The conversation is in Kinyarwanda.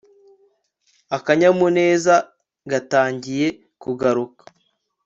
akanyamuneza gatangiye kugaruka